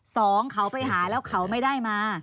สองเขาไปหาแล้วเขาไม่ได้มา